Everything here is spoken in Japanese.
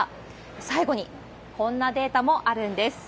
最後に、こんなデータもあるんです。